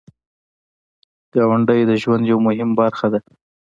ګاونډی د ژوند یو مهم برخه ده